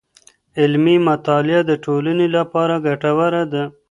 علمي مطالعه د ټولني لپاره ګټوره ده.